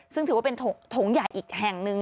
ซึ่งถือว่าเป็นโถงใหญ่อีกแห่งหนึ่ง